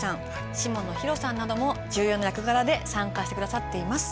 下野紘さんなども重要な役柄で参加して下さっています。